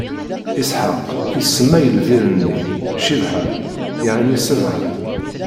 Isḥaq isemma i lbir-nni: Cibɛa, yeɛni Sebɛa.